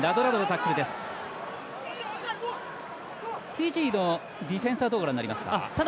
フィジーのディフェンスはどうご覧になりますか。